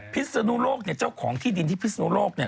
พิศนุโลกเนี่ยเจ้าของที่ดินที่พิศนุโลกเนี่ย